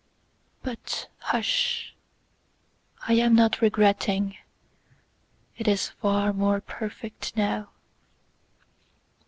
But hush, I am not regretting:It is far more perfect now.